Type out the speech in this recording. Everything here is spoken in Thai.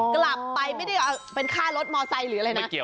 กลับไปไม่ได้เป็นค่ารถมอไซค์หรืออะไรนะ